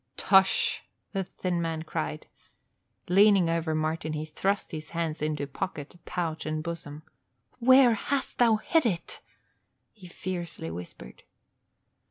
"Tush!" the thin man cried. Leaning over Martin he thrust his hands into pocket, pouch and bosom. "Where hast thou hid it?" he fiercely whispered.